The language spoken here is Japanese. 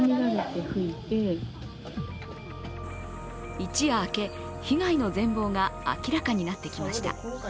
一夜明け被害の全貌が明らかになってきました。